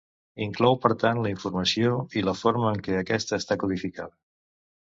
Inclou per tant la informació i la forma en què aquesta està codificada.